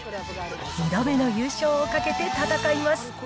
２度目の優勝をかけて戦います。